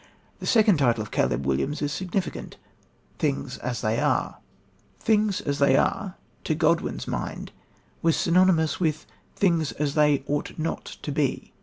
The second title of Caleb Williams is significant. Things As They Are to Godwin's mind was synonymous with "things as they ought not to be."